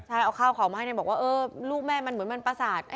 ใช่เอาข้าวของมาให้บอกว่าลูกแม่มันเหมือนมันประสาท